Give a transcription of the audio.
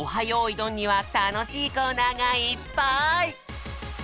よいどん」にはたのしいコーナーがいっぱい！